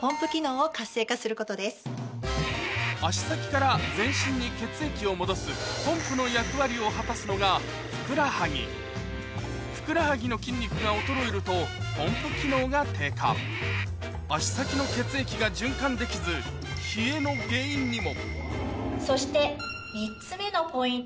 足先から全身に血液を戻すポンプの役割を果たすのがふくらはぎふくらはぎの筋肉が衰えるとポンプ機能が低下足先の血液が循環できず冷えの原因にもそして。